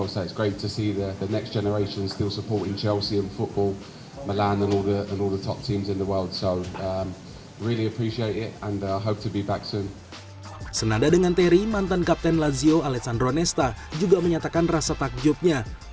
senada dengan terry mantan kapten lazio alexandronesta juga menyatakan rasa takjubnya